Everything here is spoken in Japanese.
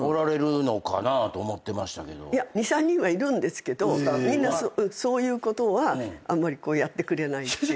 ２３人はいるんですけどみんなそういうことはあんまりやってくれないっていうか。